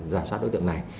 giả soát đối tượng này